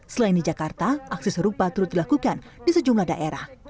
selain di jakarta aksi serupa turut dilakukan di sejumlah daerah